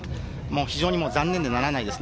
非常に残念でならないです。